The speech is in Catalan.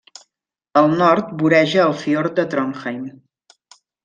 Al nord voreja el fiord de Trondheim.